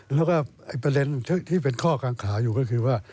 แล้วก็ประเด็นที่เป็นข้อกังขาอยู่ก็คือว่า